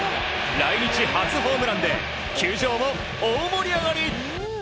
来日初ホームランで球場も大盛り上がり！